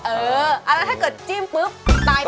เออแล้วถ้าเกิดจิ้มปุ๊บตาย